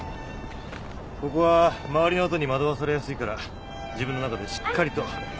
ここは周りの音に惑わされやすいから自分の中でしっかりとリズムを。